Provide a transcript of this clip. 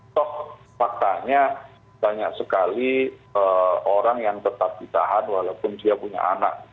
toh faktanya banyak sekali orang yang tetap ditahan walaupun dia punya anak